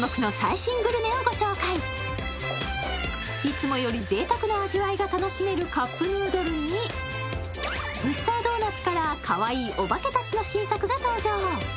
いつもよりぜいたくな味わいが楽しめるカップヌードルにミスタードーナツからかわいいお化けたちの新作が登場。